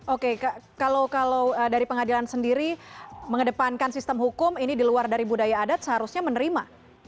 oke kalau dari pengadilan sendiri mengedepankan sistem hukum ini di luar dari budaya adat seharusnya menerima